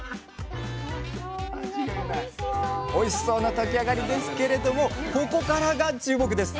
おいしそうな炊き上がりですけれどもここからが注目です！